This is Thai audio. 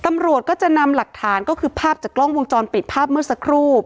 ตำรวจก็จะนำหลักฐานก็คือภาพจากกล้องวงจรปิดภาพเมื่อสักครู่